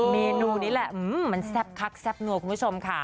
เมนูนี้แหละมันแซ่บคักแซ่บนัวคุณผู้ชมค่ะ